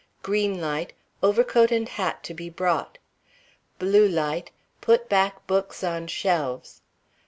Green light Overcoat and hat to be brought. Blue light Put back books on shelves.